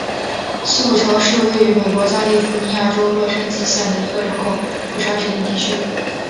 西谷桥是位于美国加利福尼亚州洛杉矶县的一个人口普查指定地区。